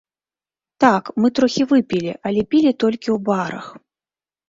Так, мы трохі выпілі, але пілі толькі ў барах.